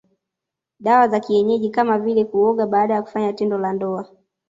Dawa za kienyeji kama vile kuoga baada ya kufanya tendo la ndoa